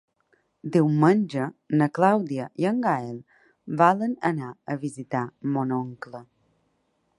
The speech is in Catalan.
Diumenge na Clàudia i en Gaël volen anar a visitar mon oncle.